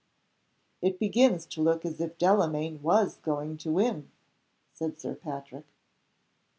"It begins to look as if Delamayn was going to win!" said Sir Patrick.